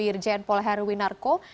irjen paul herwi narko